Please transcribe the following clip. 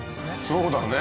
そうだね